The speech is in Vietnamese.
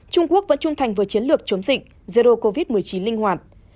trung quốc vẫn trung thành với chiến lược chống dịch zero covid một mươi chín linh hoạt